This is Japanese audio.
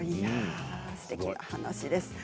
すてきな話です。